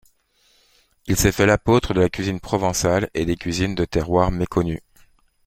Il s'est fait l'apôtre de la cuisine provençale et des cuisines de terroir méconnues.